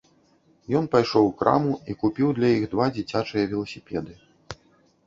Ён пайшоў у краму і купіў для іх два дзіцячыя веласіпеды.